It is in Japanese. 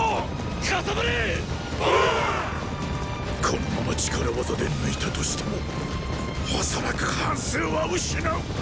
このまま力業で抜いたとしても恐らく半数は失う！